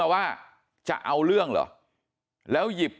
มันต้องการมาหาเรื่องมันจะมาแทงนะ